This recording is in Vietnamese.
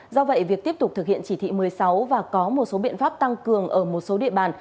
do vậy việc tiếp tục thực hiện chỉ thị một mươi sáu và có một số biện pháp tăng cường ở một số địa bàn